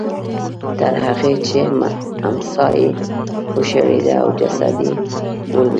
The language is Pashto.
تر هغې چې امسا یې وشړېده او جسد یې ولوېد.